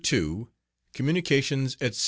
COMMUNICATIONS, ETC.